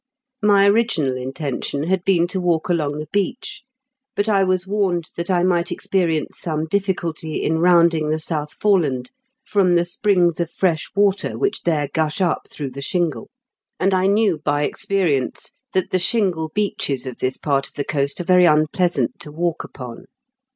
My original intention had been to walk along the beach, but I was warned that I might experience some difficulty in rounding the South Foreland from the springs of fresh water which there gush up through the shingle, and I knew by expe 208 IN KENT WITH CHARLES DIGKEN8. rience that the shingle beaches of this part of the coast are very unpleasant to walk upon.